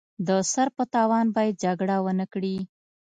د سر په تاوان باید جګړه ونکړي.